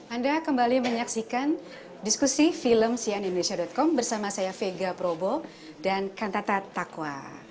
anda kembali menyaksikan diskusi film cnindonesia com bersama saya vega probo dan kantata takwa